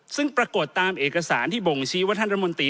ซึ่งปรากฏตามเอกสารที่บ่งชี้ว่าท่านรัฐมนตรี